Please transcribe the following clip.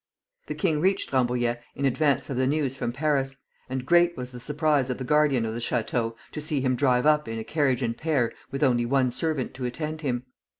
The king reached Rambouillet in advance of the news from Paris, and great was the surprise of the guardian of the Château to see him drive up in a carriage and pair with only one servant to attend him.